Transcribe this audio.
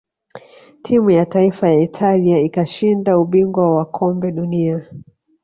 timu ya taifa ya italia ikashinda ubingwa wa kombe dunia